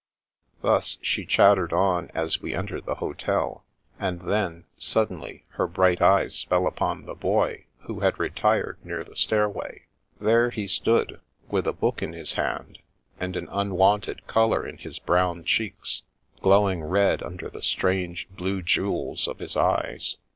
Thus she chattered on as we entered the hotel, and then, suddenly, her bright eyes fell upon the Boy, who had retired near the stairway. There he stood, with a boc4c in his hand, and an unwonted colour in his brown cheeks, glowing red under the strange blue jewels of his eyes.